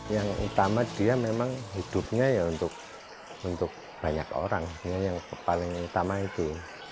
yang utama dia memang hidupnya ya untuk banyak orang yang paling utama itu